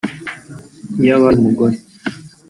Iyo abaye umugore